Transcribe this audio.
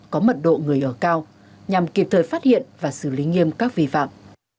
có mật độ người ở cao nhằm kịp thời phát hiện và xử lý nghiêm các vi phạm